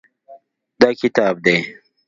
دا کتاب دی.